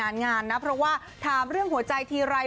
เพราะว่าทำเรื่องหัวใจทีอะไร